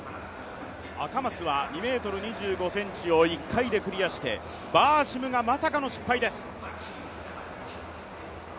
赤松は２ｍ２５ｃｍを１回でクリアして、バーシムがまさかの失敗です。